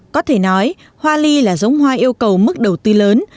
có thể nói hoa ly là giống hoa yêu cầu mức đầu tư lớn